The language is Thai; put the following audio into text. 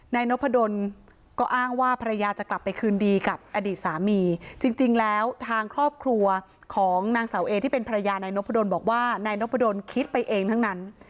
นายนพดลก็อ้างว่าภรรยาจะกลับไปคืนดีกับอดีตสามีจริงแล้วทางครอบครัวของนางสาวเอที่เป็นภรรยานายนพดลบอกว่านายนพดลคิดไปเองทั้งนั้น